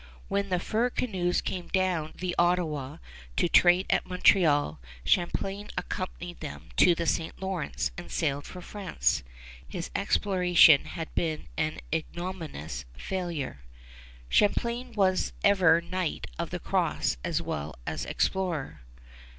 When the fur canoes came down the Ottawa to trade at Montreal, Champlain accompanied them to the St. Lawrence, and sailed for France. His exploration had been an ignominious failure. Champlain was ever Knight of the Cross as well as explorer.